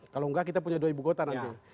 kalau enggak kita punya dua ibu kota nanti